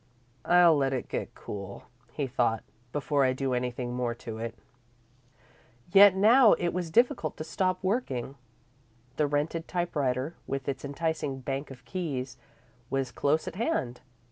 "I'll let it get cool," he thought, "before I do anything more to it." Yet, now, it was difficult to stop working. The rented typewriter, with its enticing bank of keys, was close at hand.